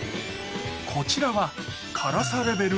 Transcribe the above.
こちらは辛さレベル